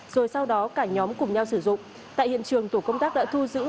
rồi sau đó cả nhóm cùng nhau sử dụng tại hiện trường tổ công tác đã thu giữ